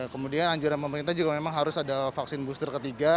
kemudian anjuran pemerintah juga memang harus ada vaksin booster ketiga